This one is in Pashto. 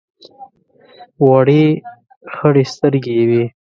وړې خړې سترګې یې وې.